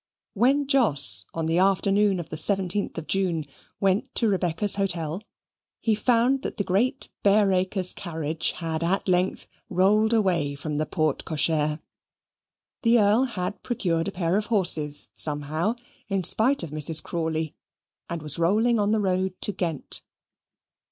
When Jos, on the afternoon of the 17th of June, went to Rebecca's hotel, he found that the great Bareacres' carriage had at length rolled away from the porte cochere. The Earl had procured a pair of horses somehow, in spite of Mrs. Crawley, and was rolling on the road to Ghent.